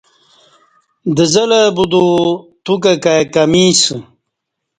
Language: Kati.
دزلہ بدوو توکہ کای کمی اسہ